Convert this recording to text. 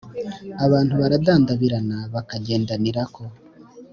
abantu baradandabirana bakagendanirako,